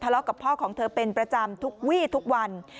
เลาะกับพ่อของเธอเป็นประจำทุกวี่ทุกวัน